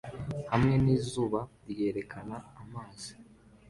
Hamwe n'izuba ryerekana amazi